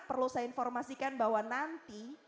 perlu saya informasikan bahwa nanti